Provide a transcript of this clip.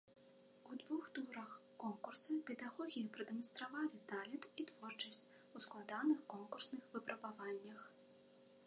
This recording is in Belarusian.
У двух турах конкурса педагогі прадэманстравалі талент і творчасць у складаных конкурсных выпрабаваннях.